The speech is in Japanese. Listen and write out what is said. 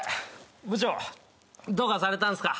部長どうかされたんですか？